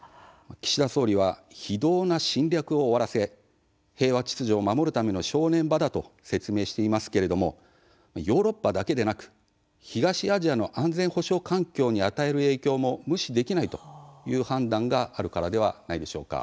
岸田総理は非道な侵略を終わらせ平和秩序を守るための正念場だと説明していますけれどもヨーロッパだけでなく東アジアの安全保障環境に与える影響も無視できないという判断があるからではないでしょうか。